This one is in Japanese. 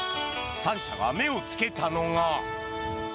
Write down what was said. ３社が目をつけたのが。